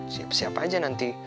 siap siap aja nanti